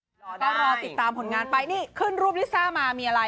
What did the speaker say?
ก็รอติดตามผลงานไปนี่ขึ้นรูปลิซ่ามามีอะไร